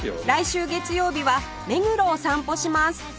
来週月曜日は目黒を散歩します